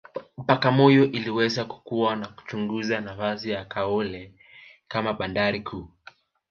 Bagamoyo iliweza kukua na kuchukua nafasi ya Kaole kama bandari kuu